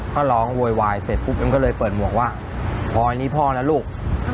ก็ร้องโวยวายเสร็จปุ๊บเอ็มก็เลยเปิดหมวกว่าพลอยนี่พ่อนะลูก